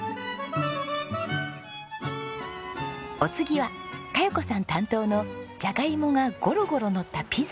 お次は香葉子さん担当のジャガイモがゴロゴロのったピザ。